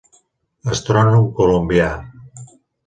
Astrònom colombià.